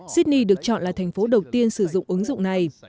sydney được chọn là thành phố đầu tiên sử dụng ứng dụng này